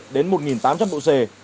đến một nghìn tám trăm linh độ c